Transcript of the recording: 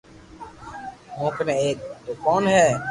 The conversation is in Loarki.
مون ڪني ايڪ دوڪون ھي